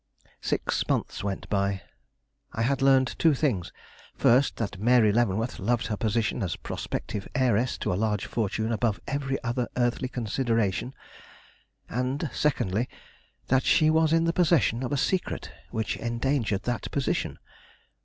Six months went by. I had learned two things; first, that Mary Leavenworth loved her position as prospective heiress to a large fortune above every other earthly consideration; and secondly, that she was in the possession of a secret which endangered that position.